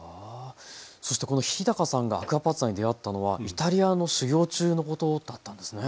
そしてこの日さんがアクアパッツァに出会ったのはイタリアの修業中のことだったんですね？